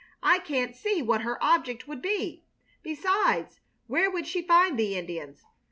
"I can't see what her object would be. Besides, where would she find the Indians?